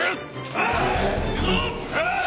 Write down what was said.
はい！